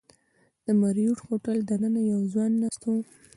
د مریوټ هوټل دننه یو ځوان ناست و.